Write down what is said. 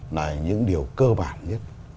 là những điều cơ bản nhất